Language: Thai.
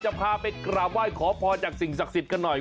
พาไปกราบไหว้ขอพรจากสิ่งศักดิ์สิทธิ์กันหน่อย